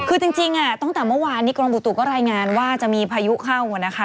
คือจริงตั้งแต่เมื่อวานนี้กรมบุตุก็รายงานว่าจะมีพายุเข้านะคะ